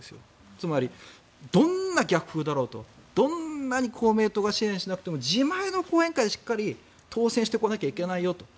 つまり、どんな逆風だろうとどんなに公明党が支援しなくても自前の講演会でしっかり当選してこなきゃいけないよと。